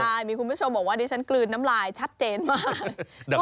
ใช่มีคุณผู้ชมบอกว่าดิฉันกลืนน้ำลายชัดเจนมาก